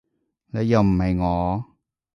你又唔係我